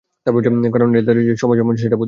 কারণ, এটা দ্বারা যে সবাই সমান সেটা বোঝায়।